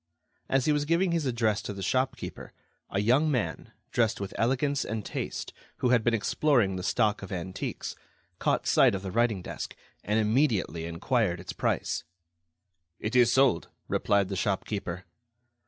As he was giving his address to the shopkeeper, a young man, dressed with elegance and taste, who had been exploring the stock of antiques, caught sight of the writing desk, and immediately enquired its price. "It is sold," replied the shopkeeper.